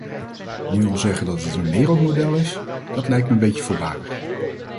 Nu al zeggen dat het een wereldmodel is, dat lijkt me een beetje voorbarig.